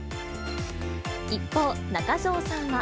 一方、中条さんは。